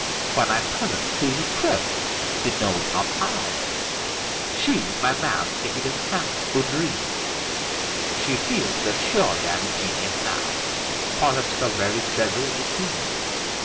When I am present she's impressed, she knows not how; She in my mask a hidden sense would read: She feels that surely I'm a genius now, Perhaps the very Devil, indeed!